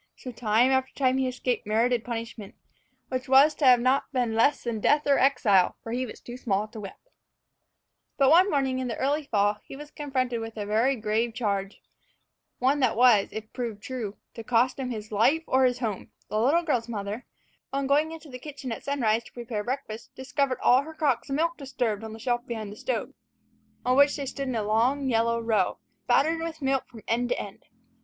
So time after time he escaped merited punishment, which was to have been not less than death or exile; for he was too small to whip. But one morning in the early fall he was confronted with a very grave charge one that was, if proved true, to cost him his life or his home: the little girl's mother, on going into the kitchen at sunrise to prepare breakfast, discovered all her crocks of milk disturbed and the shelf behind the stove, on which they stood in a long, yellow row, spattered with milk from end to end.